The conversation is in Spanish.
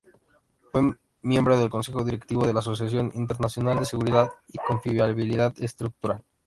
Fue miembro del Consejo Directivo de la Asociación Internacional de Seguridad y Confiabilidad Estructural.